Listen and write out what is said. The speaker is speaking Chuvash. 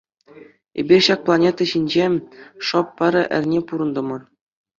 Эпир ҫак планета ҫинче шӑп пӗр эрне пурӑнтӑмӑр.